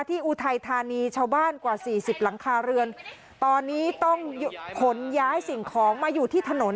อุทัยธานีชาวบ้านกว่าสี่สิบหลังคาเรือนตอนนี้ต้องขนย้ายสิ่งของมาอยู่ที่ถนน